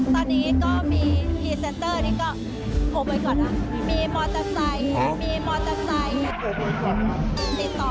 ตอนนี้ก็มีพรีเซนเตอร์นี่ก็โทรไปก่อนนะมีมอเตอร์ไซค์มีมอเตอร์ไซค์ติดต่อ